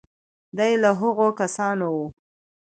دی له هغو کسانو و.